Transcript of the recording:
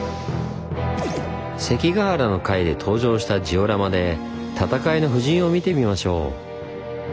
関ケ原の回で登場したジオラマで戦いの布陣を見てみましょう。